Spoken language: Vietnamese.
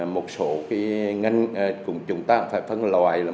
một số ngành cũng chúng ta phải phân loại là